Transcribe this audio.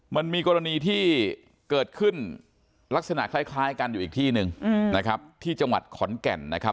มันมีกรณีที่เกิดขึ้นลักษณะคล้ายกันอยู่อีกที่นึงที่จังหวัดขอนแก่น